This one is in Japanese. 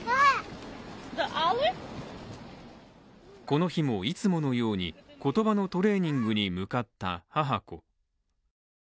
この日もいつものように言葉のトレーニングに向かった母子。